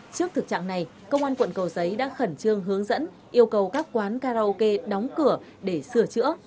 trước thực trạng này công an quận cầu giấy đã khẩn trương hướng dẫn yêu cầu các quán karaoke đóng cửa để sửa chữa